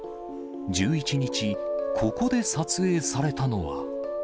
１１日、ここで撮影されたのは。